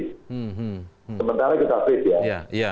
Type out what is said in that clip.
sementara kita free ya